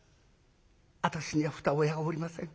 私には二親がおりません。